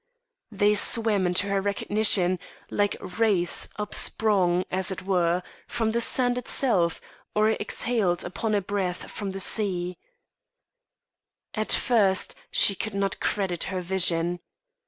They swam into her recognition like wraiths upsprung, as it were, from the sand itself or exhaled upon a breath from the sea: at first she could not credit her vision.